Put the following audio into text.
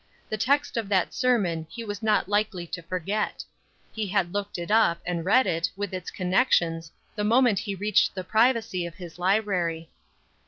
The text of that sermon he was not likely to forget. He had looked it up, and read it, with its connections, the moment he reached the privacy of his library.